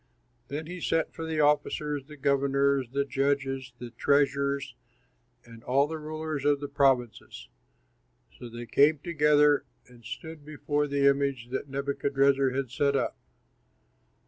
Then he sent for the officers, the governors, the judges, the treasurers, and all the rulers of the provinces. So they all came together and stood before the image that Nebuchadrezzar had set up.